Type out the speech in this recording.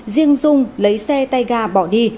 riêng dung lấy xe tay ga bỏ đi